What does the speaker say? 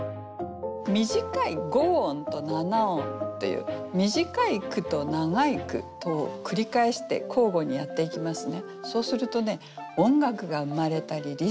短い五音と七音という短い句と長い句とを繰り返して交互にやっていきますね。